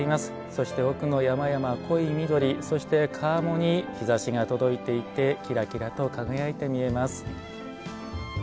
そして奥の山々濃い緑、そして川面に日ざしが届いていてきらきらと輝いて見えます。